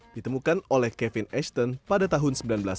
ditemukan oleh kevin esthton pada tahun seribu sembilan ratus sembilan puluh